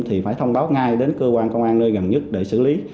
thì phải thông báo ngay đến cơ quan công an nơi gần nhất để xử lý